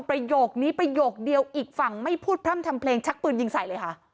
ประโยคนี้ประโยคเดียวอีกฝั่งไม่พูดพร่ำทำเพลงชักปืนยิงใส่เลยค่ะ